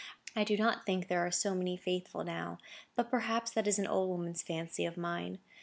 I do not think there are many so faithful now; but perhaps that is an old woman's fancy of mine.